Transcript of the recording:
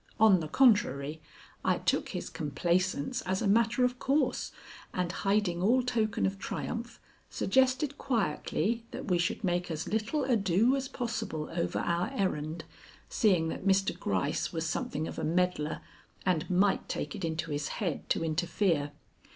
On the contrary, I took his complaisance as a matter of course, and, hiding all token of triumph, suggested quietly that we should make as little ado as possible over our errand, seeing that Mr. Gryce was something of a meddler and might take it into his head to interfere.